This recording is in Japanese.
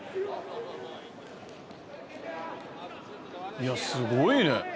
いやすごいね。